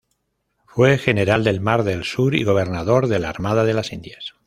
Fue General del Mar del Sur y Gobernador de la Armada de las Indias.